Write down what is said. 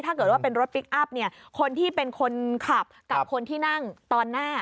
ถ้าเกิดว่าเป็นรถพลิกอัพเนี่ยคนที่เป็นคนขับกับคนที่นั่งตอนหน้า